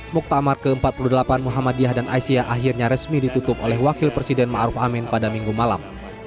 muktamar ke empat puluh delapan muhammadiyah dan aisyah akhirnya resmi ditutup oleh wakil presiden ⁇ maruf ⁇ amin pada minggu malam